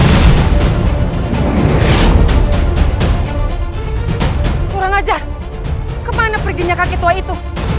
hai karena jauh kemana pergi nyaka kita itu